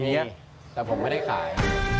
แต่ผมไม่ได้ขาย